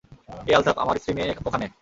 এই আলতাফ, আমার স্ত্রী-মেয়ে ওখানে।